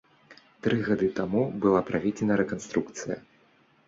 Тры гады таму была праведзена рэканструкцыя.